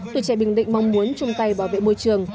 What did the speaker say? tuổi trẻ bình định mong muốn chung tay bảo vệ môi trường